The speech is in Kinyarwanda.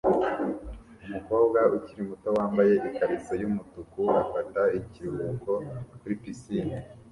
umukobwa ukiri muto wambaye ikariso yumutuku afata ikiruhuko kuri pisine